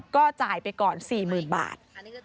ก็จ่ายไปก่อน๔๐๐๐บาท